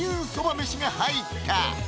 めしが入った！